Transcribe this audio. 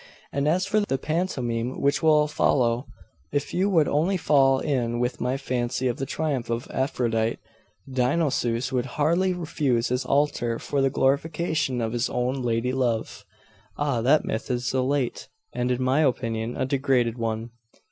And as for the pantomime which will follow, if you would only fall in with my fancy of the triumph of Aphrodite, Dionusos would hardly refuse his altar for the glorification of his own lady love.' 'Ah that myth is a late, and in my opinion a degraded one.